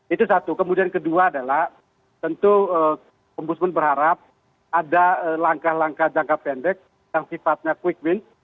itu satu kemudian kedua adalah tentu ombudsman berharap ada langkah langkah jangka pendek yang sifatnya quick win